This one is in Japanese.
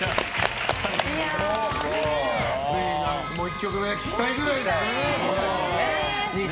もう１曲聴きたいくらいですね。